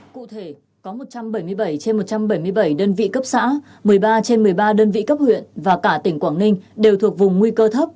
cụ thể có một trăm bảy mươi bảy trên một trăm bảy mươi bảy đơn vị cấp xã một mươi ba trên một mươi ba đơn vị cấp huyện và cả tỉnh quảng ninh đều thuộc vùng nguy cơ thấp